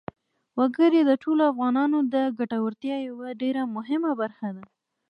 وګړي د ټولو افغانانو د ګټورتیا یوه ډېره مهمه برخه ده.